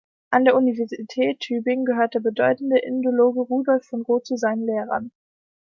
An der Universität Tübingen gehörte der bedeutende Indologe Rudolf von Roth zu seinen Lehrern.